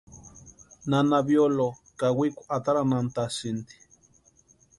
Nana Violoo kawikwa ataranhantasïnti.